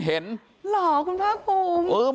หรอคุณพ่อผม